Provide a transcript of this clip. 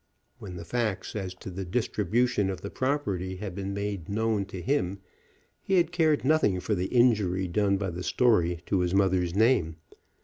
When the facts as to the distribution of the property had been made known to him he had cared nothing for the injury done by the story to his mother's name.